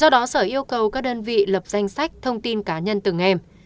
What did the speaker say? đơn vị lập danh sách thông tin cá nhân từng em